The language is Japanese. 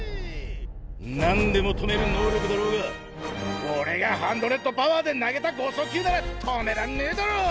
何でも止める能力だろうが俺がハンドレッドパワーで投げた剛速球なら止めらんねえだろ！